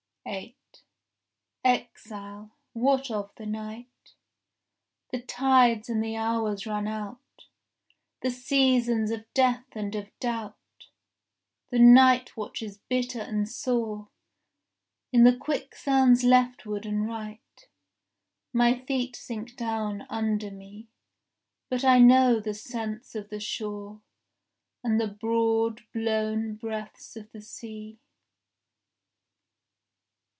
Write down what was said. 8 Exile, what of the night?— The tides and the hours run out, The seasons of death and of doubt, The night watches bitter and sore. In the quicksands leftward and right My feet sink down under me; But I know the scents of the shore And the broad blown breaths of the sea.